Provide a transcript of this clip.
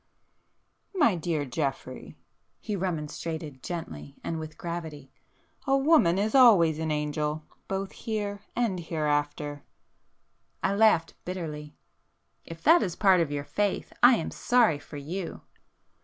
"My dear Geoffrey!" he remonstrated gently and with gravity—"A woman is always an angel,—both here and hereafter!" I laughed bitterly. "If that is part of your faith I am sorry for you!"